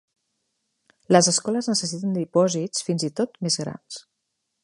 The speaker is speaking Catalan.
Les escoles necessiten dipòsits fins i tot més grans.